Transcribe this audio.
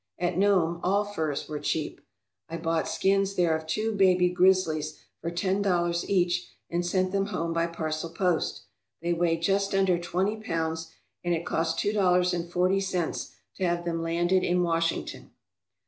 At Nome all furs were cheap. I bought skins there of two baby grizzlies for ten dollars each, and sent them home by parcel post. They weighed just under twenty pounds, and it cost two dollars and forty cents to have them landed in Washington.